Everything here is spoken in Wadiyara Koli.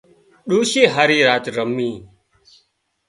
ڏوشي هاري راچ رمي